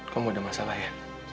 kamu ada masalah ya